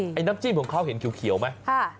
ไอ้น้ำจิ้มของเขาเห็นเขียวไหม